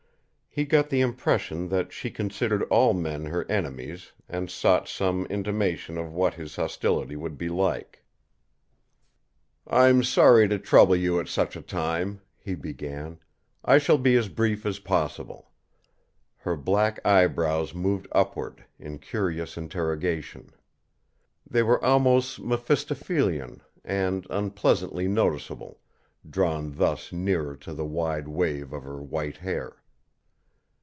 He got the impression that she considered all men her enemies and sought some intimation of what his hostility would be like. "I'm sorry to trouble you at such a time," he began. "I shall be as brief as possible." Her black eyebrows moved upward, in curious interrogation. They were almost mephistophelian, and unpleasantly noticeable, drawn thus nearer to the wide wave of her white hair.